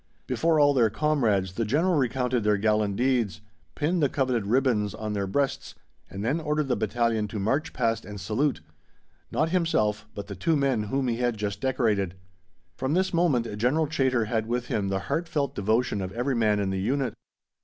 Before all their comrades the General recounted their gallant deeds, pinned the coveted ribbons on their breasts, and then ordered the battalion to march past and salute not himself, but the two men whom he had just decorated. From this moment General Chaytor had with him the heartfelt devotion of every man in the unit.